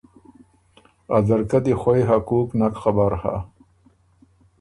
ا ځرکۀ دی خوئ حقوق نک خبر هۀ۔